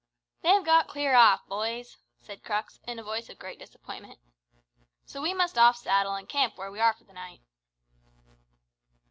"They've got clear off, boys," said Crux, in a voice of great disappointment. "So we must off saddle, an' camp where we are for the night."